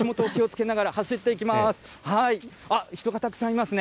あっ、人がたくさんいますね。